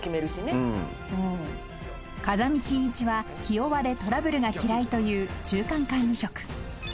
［風見慎一は気弱でトラブルが嫌いという中間管理職］